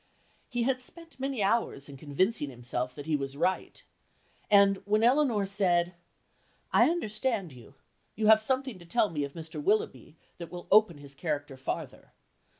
"He had spent many hours in convincing himself that he was right," and when Elinor said, "I understand you, you have something to tell me of Mr. Willoughby that will open his character farther.